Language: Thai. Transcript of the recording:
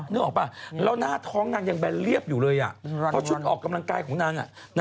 นึกออกป่ะแล้วหน้าท้องนางยังแนนเรียบอยู่เลยเพราะชุดออกกำลังกายของนาง